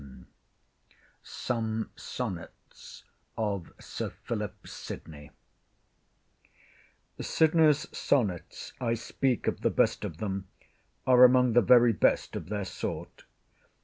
] SOME SONNETS OF SIR PHILIP SYDNEY Sydney's Sonnets—I speak of the best of them—are among the very best of their sort.